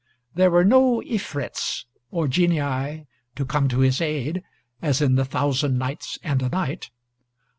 There were no Ifrits or Genii to come to his aid, as in the 'Thousand Nights and a Night.'